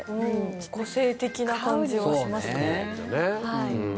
個性的な感じはしますね。